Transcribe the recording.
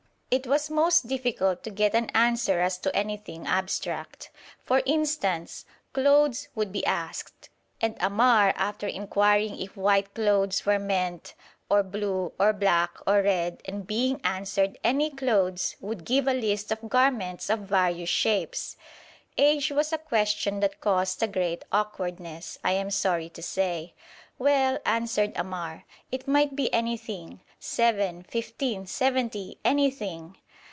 It was most difficult to get an answer as to anything abstract. For instance, 'clothes' would be asked, and Ammar, after inquiring if white clothes were meant, or blue, or black, or red, and being answered 'any clothes,' would give a list of garments of various shapes. 'Age' was a question that caused a great awkwardness, I am sorry to say. 'Well,' answered Ammar, 'it might be anything seven, fifteen, seventy anything!'